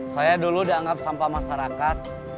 saya dulu udah anggap sampah masyarakat